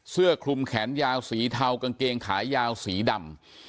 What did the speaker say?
เสื้อคลุมแขนยาวสีเทากางเกงขายาวสีดำ